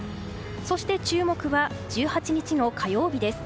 そして、注目は１８日の火曜日です。